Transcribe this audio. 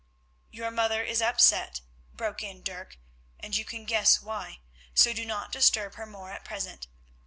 "Your mother is upset," broke in Dirk, "and you can guess why, so do not disturb her more at present.